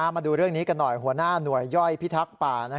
มาดูเรื่องนี้กันหน่อยหัวหน้าหน่วยย่อยพิทักษ์ป่า